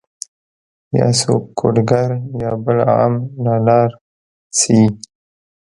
يا څوک کوډ ګر يا بل عامل له لاړ شي